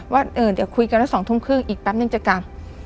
ว่าเดี๋ยวคุยกันแล้ว๒ทุ่มครึ่งอีกแป๊บนึงจะกลับ